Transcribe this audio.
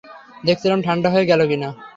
দেখছিলাম ঠান্ডা হয়ে গেল কি-না।